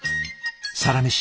「サラメシ」